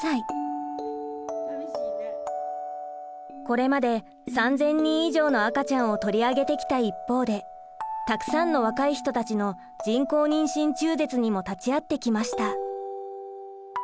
これまで３０００人以上の赤ちゃんを取り上げてきた一方でたくさんの若い人たちの人工妊娠中絶にも立ち会ってきました。